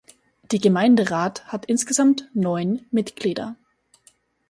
Die Gemeinderat hat insgesamt neun Mitglieder.